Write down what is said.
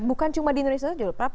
bukan cuma di indonesia jodoh prat